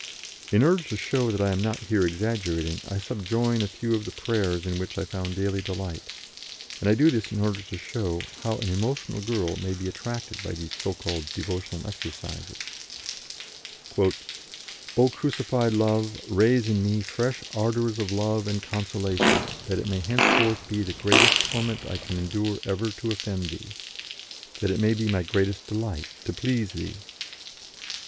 In order to show that I am not here exaggerating, I subjoin a few of the prayers in which I found daily delight, and I do this in order to show how an emotional girl may be attracted by these so called devotional exercises: "O crucified Love, raise in me fresh ardours of love and consolation, that it may henceforth be the greatest torment I can endure ever to offend Thee; that it may be my greatest delight to please Thee."